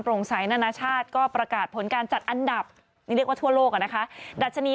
โปร่งใสนานาชาติก็ประกาศผลการจัดอันดับทั่วโลกอ่ะนะคะดัชนี